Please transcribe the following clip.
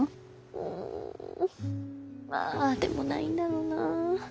うんああでもないんだろうなあ。